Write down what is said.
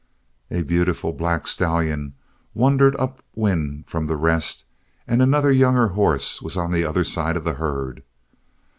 A beautiful black stallion wandered up wind from the rest and another, younger horse, was on the other side of the herd.